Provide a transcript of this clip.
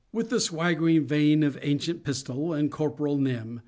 With the swaggering vaine of Ancient Pistol and Qirporal Nym.